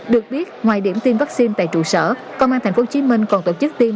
được biết ngoài điểm tiêm vaccine tại trụ sở công an tp hcm còn tổ chức tiêm